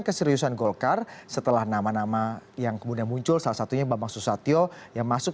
keseriusan golkar setelah nama nama yang kemudian muncul salah satunya bambang susatyo yang masuk